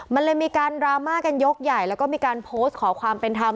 มันเลยมีการดราม่ากันยกใหญ่แล้วก็มีการโพสต์ขอความเป็นธรรม